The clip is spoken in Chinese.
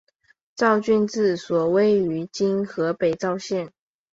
赵郡治所位于今河北赵县。